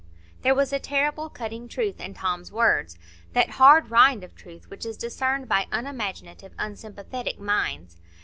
There was a terrible cutting truth in Tom's words,—that hard rind of truth which is discerned by unimaginative, unsympathetic minds.